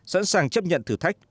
sẵn sàng chấp nhận thử thách